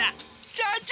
社長！